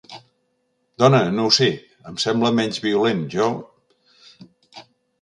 Dona, no ho sé, em sembla menys violent, jo...